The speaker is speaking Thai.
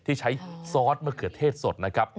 ที่ใช้ซอสมะเขือเทศสดนะครับ